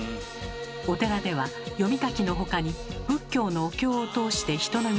お寺では読み書きの他に仏教のお経を通して人の道を説く